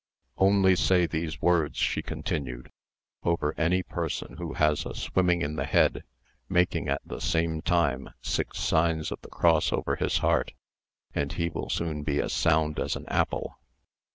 "Only say these words," she continued, "over any person who has a swimming in the head, making at the same time six signs of the cross over his heart, and he will soon be as sound as an apple."